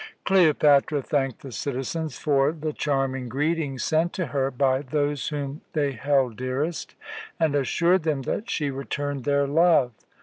Cleopatra thanked the citizens for the charming greeting sent to her by those whom they held dearest, and assured them that she returned their love.